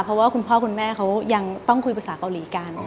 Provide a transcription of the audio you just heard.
เพราะว่าคุณพ่อคุณแม่เขายังต้องคุยภาษาเกาหลีกัน